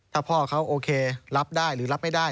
ถ้าพ่อเขาโอเครับได้หรือรับไม่ได้